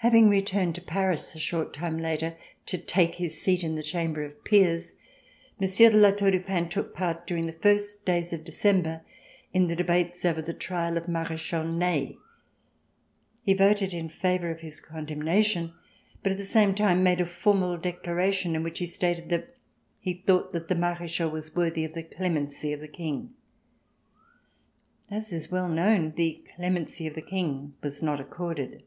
Having returned to Paris, a short time later, to take his seat in the Chamber of Peers, Monsieur de La Tour du Pin took part during the first days of December in the debates over the trial of Marechal C407] RECOLLECTIONS OF THE REVOLUTION Ney. He voted in favor of his condemnation, but at the same time made a formal declaration in which he stated that he thought that the Marechal was worthy of the clemency of the King. As is well known, the clemency of the King was not accorded.